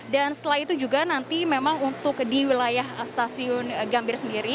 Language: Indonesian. dan setelah itu juga nanti memang untuk di wilayah stasiun gambir sendiri